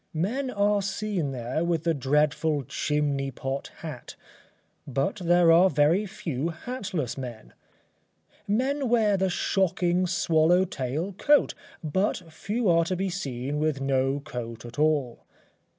Men are seen there with the dreadful chimney pot hat, but there are very few hatless men; men wear the shocking swallow tail coat, but few are to be seen with no coat at all.